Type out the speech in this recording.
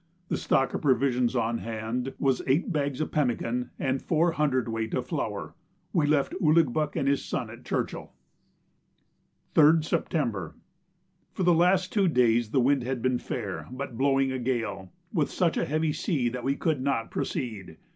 The stock of provisions on hand was eight bags of pemmican and four cwt. of flour. We left Ouligbuck and his son at Churchill. 3rd September. For the last two days the wind had been fair, but blowing a gale, with such a heavy sea that we could not proceed.